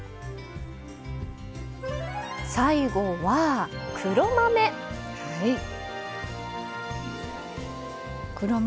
最後は、黒豆。